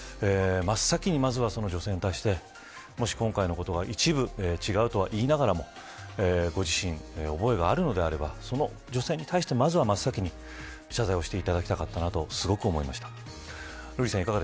真っ先に、まずは女性に対してもし、今回のことが一部違うとはいいながらもご自身、覚えがあるのであればその女性に対して、まずは真っ先に謝罪をしていただきたかったなとすごく思いました。